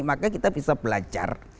maka kita bisa belajar